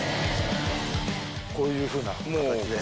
こういうふうな形で。